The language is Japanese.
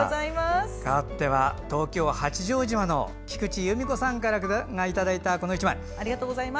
かわっては、東京・八丈島の菊池ゆみ子さんからいただいた１枚です。